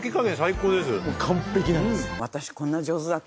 完璧なんです。